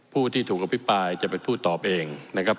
ผู้ที่ถูกอภิปรายจะเป็นผู้ตอบเองนะครับ